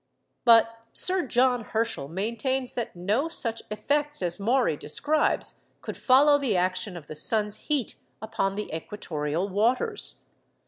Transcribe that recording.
But Sir John Herschel maintains that no such effects as Maury describes could follow the action of the sun's heat upon the equatorial waters.